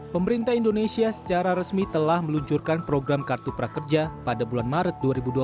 pemerintah indonesia secara resmi telah meluncurkan program kartu prakerja pada bulan maret dua ribu dua puluh